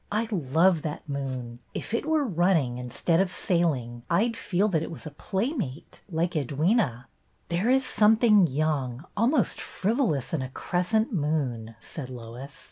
I love that moon. If it were running instead of sailing I 'd feel that it was a playmate, like Edwyna." There is something young, almost frivolous, in a crescent moon," said Lois.